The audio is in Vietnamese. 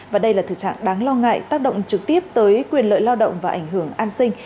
và đây là thực trạng đáng lo ngại tác động trực tiếp tới quyền lợi lao động và ảnh hưởng an sinh